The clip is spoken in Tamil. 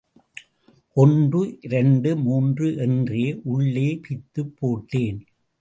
ஒன்று, இரண்டு, மூன்று—என்றே உள்ளே பிய்த்துப் போட்டேன்.